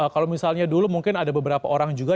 kalau misalnya dulu mungkin ada beberapa orang juga